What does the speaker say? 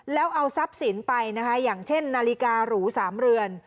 แล้วเอาทรัพย์สินไปนะคะอย่างเช่นนาฬิการู๓เรือน